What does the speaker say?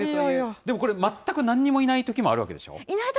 でも、これ、全くなんにもいないときもあるわけでしょ。